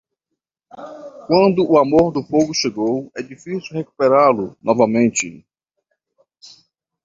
Quando o amor do fogo chegou, é difícil recuperá-lo novamente.